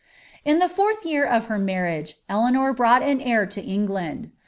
In tlie fourth year of hor murriage Eleiuior brought an hcii to Eof land.